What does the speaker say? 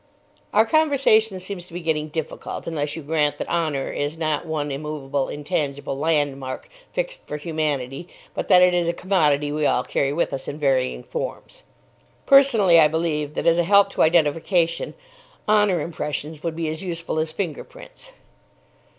"Our conversation seems to be getting difficult, unless you grant that honour is not one immovable, intangible landmark, fixed for humanity, but that it is a commodity we all carry with us in varying forms." "Personally, I believe that, as a help to identification, honour impressions would be as useful as fingerprints."